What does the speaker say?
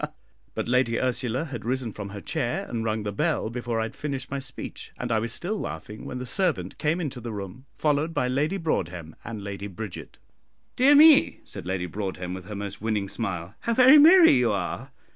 ha!" But Lady Ursula had risen from her chair and rung the bell before I had finished my speech, and I was still laughing when the servant came into the room, followed by Lady Broadhem and Lady Bridget. "Dear me," said Lady Broadhem, with her most winning smile, "how very merry you are!